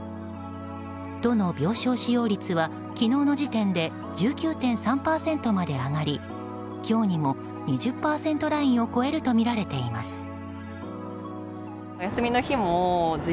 都の病床使用率は昨日の時点で１９．３％まで上がり今日にも２０％ラインを超えるとみられています。